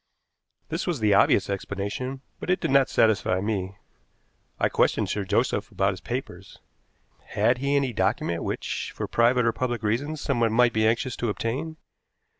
This was the obvious explanation, but it did not satisfy me. I questioned Sir Joseph about his papers. Had he any document which, for private or public reasons, someone might be anxious to obtain?